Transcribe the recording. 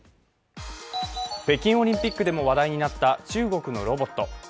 北京オリンピックでも話題になった中国のロボット。